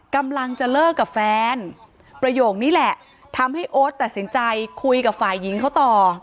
กำลังจะเลิกกับแฟนประโยคนี้แหละทำให้โอ๊ตตัดสินใจคุยกับฝ่ายหญิงเขาต่อ